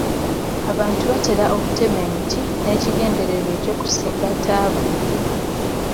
Abantu batera okutema emiti n'ekigendererwa ky'okusimba ttaaba.